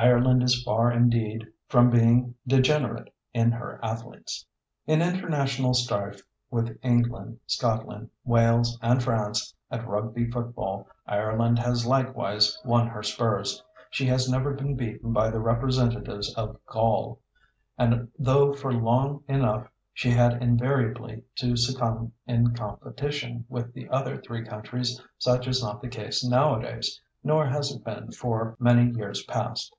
Ireland is far indeed from being degenerate in her athletes. In international strife with England, Scotland, Wales, and France at Rugby football, Ireland has likewise won her spurs. She has never been beaten by the representatives of Gaul; and though for long enough she had invariably to succumb in competition with the other three countries, such is not the case nowadays, nor has it been for many years past.